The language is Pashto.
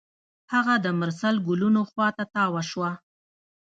هغه د مرسل ګلونو خوا ته تاوه شوه.